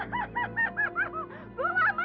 kamu mesti dibawa ke dokter ya